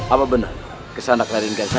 apa benar kesana kelaringan sana